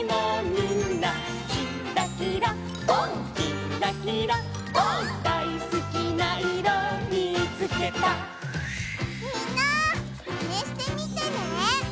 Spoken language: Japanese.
みんなまねしてみてね。